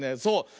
そう。